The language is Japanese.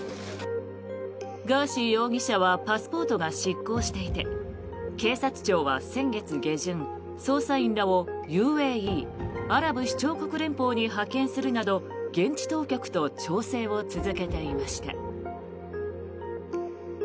ガーシー容疑者はパスポートが失効していて警察庁は先月下旬、捜査員らをＵＡＥ・アラブ首長国連邦に派遣するなど現地当局と調整を続けていました。